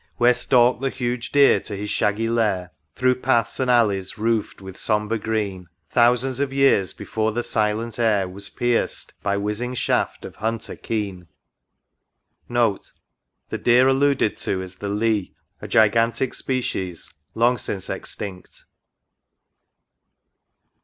Where stalk'd the huge deer to his shaggy lair * Through paths and alleys roofed with sombre green, Thousand of years before the silent air Was pierced by whizzing shaft of hunter keen I * The deer alluded to is the Leigh, a gigantic species long since extinct.